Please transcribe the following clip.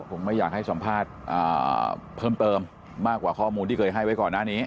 ผมไม่อยากให้สัมภาษณ์เพิ่มเติมมากกว่าข้อมูลที่เคยให้ไว้ก่อนหน้านี้